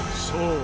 そう。